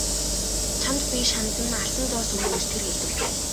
Чамд би шанд нь алтан зоос өгнө гэж тэр хэлэв.